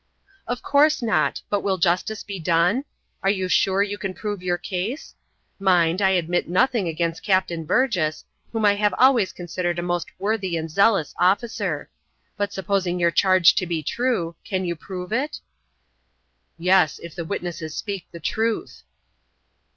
"Of course not. But will justice be done? Are you sure you can prove your case? Mind, I admit nothing against Captain Burgess, whom I have always considered a most worthy and zealous officer; but, supposing your charge to be true, can you prove it?" "Yes. If the witnesses speak the truth."